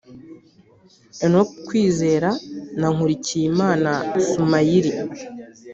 Enock Kwizera na Nkurikiyimana Sumayili